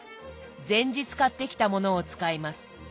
前日買ってきたものを使います。